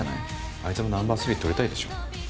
あいつもナンバー３取りたいでしょ。